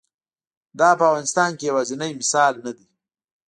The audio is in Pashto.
دا په افغانستان کې یوازینی مثال نه دی.